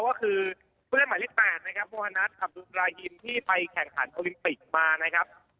ก็คือผู้เล่นหมายเลข๘นะครับโมฮานัทอับดุสรายิมที่ไปแข่งขันโอลิมปิกมานะครับ